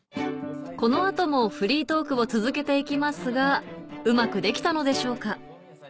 この後もフリートークを続けて行きますがうまくできたのでしょうか？